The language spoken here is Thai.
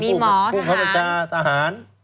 มีผู้บนโรยการโรงเรียนมีหมอทหาร